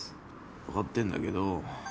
わかってんだけど。